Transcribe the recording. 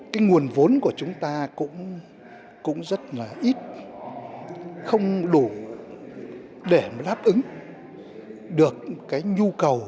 cái nguồn vốn của chúng ta cũng rất là ít không đủ để mà đáp ứng được cái nhu cầu